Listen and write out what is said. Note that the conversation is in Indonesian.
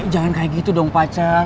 jangan kayak gitu dong pacar